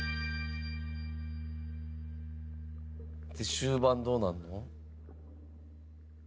「終盤どうなるの？」